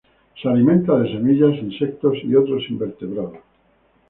Se alimentan de semillas, insectos y otros invertebrados.